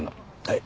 はい。